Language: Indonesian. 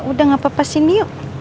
udah gak apa apa sini yuk